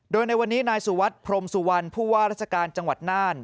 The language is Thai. โดยในวันนี้นายสุวัสดิพรมสุวรรณผู้ว่าราชการจังหวัดน่าน